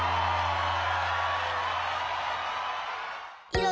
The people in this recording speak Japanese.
「いろ